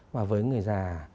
mà với người già